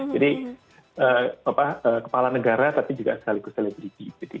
kepala negara tapi juga sekaligus selebriti